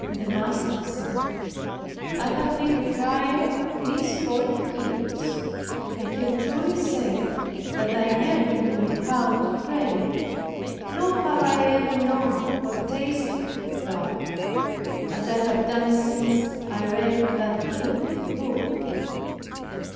And the master said, "I have been a friar these forty years, and can truly say that I never knew how to pray; nor have I ever known or tasted of God, as I have done since I read that little book."